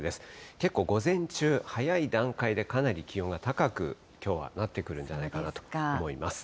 結構午前中、早い段階でかなり気温が高く、きょうはなってくるんじゃないかなと思います。